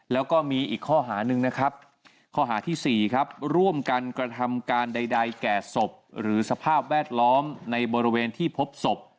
แล้วก็มีอีกข้อหาหนึ่งนะครับข้อหาที่๔ครับร่วมกันกระทำการใดแก่ศพหรือสภาพแวดล้อมในบริเวณที่พบศพ